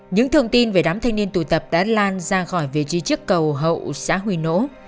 những thông tin về đám thanh niên tụ tập đã lan ra khỏi vị trí chiếc cầu hậu xã huy nỗ